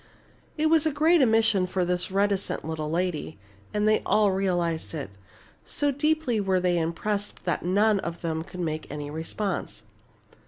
It was a great admission for this reticent little lady, and they all realized it. So deeply were they impressed that none of them could make any response.